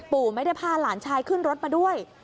ปู่ไม่ได้พาหลานชายขึ้นรถมาด้วย